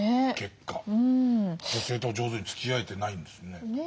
女性と上手につきあえてないんですね。